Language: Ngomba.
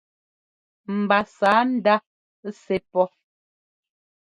Mba sǎ ndá sɛ́ pɔ́.